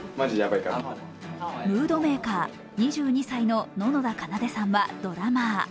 ムードメーカー、２２歳の野々田奏さんはドラマー。